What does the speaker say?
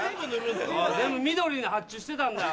全部緑に発注してたんだよ。